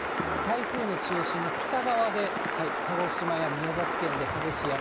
台風の中心の北側で、鹿児島や宮崎県で激しい雨。